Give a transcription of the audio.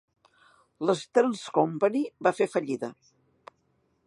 L'Stearns Company va fer fallida.